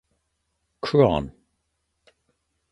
Chron.